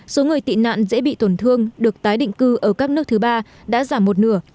số người tị nạn dễ bị tổn thương được tái định cư ở các nước thứ ba đã giảm một nửa